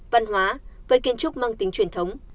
văn hóa với kiến trúc mang tính truyền thống